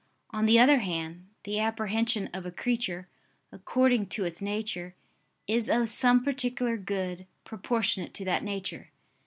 On the other hand, the apprehension of a creature, according to its nature, is of some particular good, proportionate to that nature.